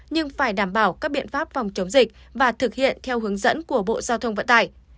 nhưng phải đảm bảo các biện pháp phòng chống dịch và thực hiện theo hướng dẫn của bộ giao thông vận tải